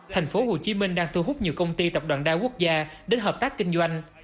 thành phố hồ chí minh đang thu hút nhiều công ty tập đoàn đa quốc gia đến hợp tác kinh doanh